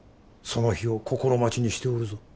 その日を心待ちにしておるぞ。